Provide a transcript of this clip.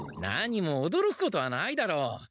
何もおどろくことはないだろう。